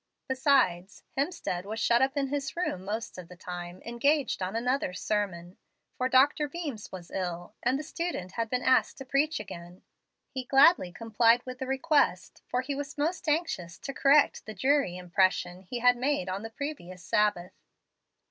Besides, Hemstead was shut up in his room most of the time, engaged on another sermon. For Dr. Beams was ill, and the student had been asked to preach again. He gladly complied with the request, for he was most anxious to correct the dreary impression he had made on the previous Sabbath.